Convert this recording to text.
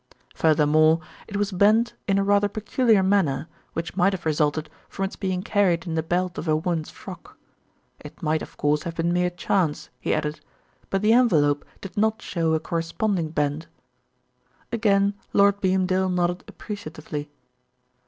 Furthermore, it was bent in a rather peculiar manner, which might have resulted from its being carried in the belt of a woman's frock. It might, of course, have been mere chance," he added; "but the envelope did not show a corresponding bend." Again Lord Beamdale nodded appreciatively.